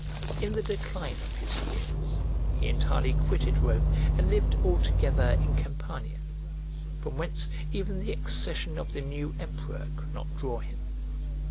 In the decline of his years he entirely quitted Rome, and lived altogether in Campania, from whence even the accession of the new emperor could not draw him.